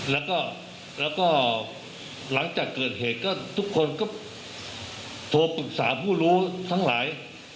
แล้วก็หลังจากเกิดเหตุก็ทุกคนก็โทรปรึกษาผู้รู้ทั้งหลาย